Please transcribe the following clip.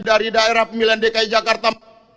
dari daerah pemilihan dki jakarta